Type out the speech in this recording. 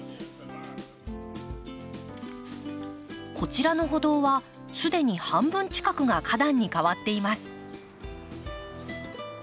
こちらの歩道は既に半分近くが花壇に替わっています。